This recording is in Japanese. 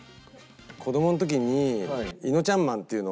子供の時にいのちゃんまんっていうのを。